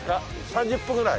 ３０分くらい？